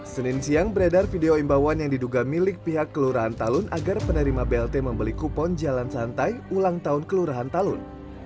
senin siang beredar video imbauan yang diduga milik pihak kelurahan talun agar penerima blt membeli kupon jalan santai ulang tahun kelurahan talun